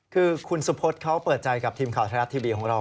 คือคุณสุภพเขาเปิดใจกับทีมข่าวธนาฏทีบีของเรา